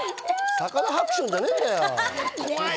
魚ハクションじゃねぇんだよ！